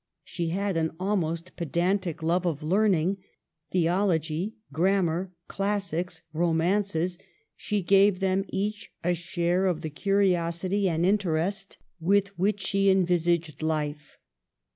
She had an almost pedantic love of learning; theology, grammar, classics, ro mances, — she gave them each a share of the curiosity and interest with w^hich she envisaged life.